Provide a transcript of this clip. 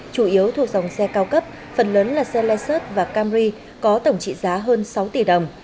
chủ yếu thuộc dòng xe cao cấp phần lớn là xe licert và camri có tổng trị giá hơn sáu tỷ đồng